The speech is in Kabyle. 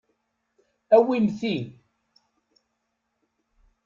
Awim ti.